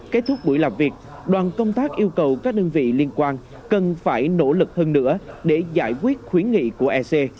kết thúc buổi làm việc đoàn công tác yêu cầu các đơn vị liên quan cần phải nỗ lực hơn nữa để giải quyết khuyến nghị của ec